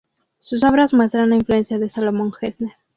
Sus obras muestran la influencia de Salomón Gessner.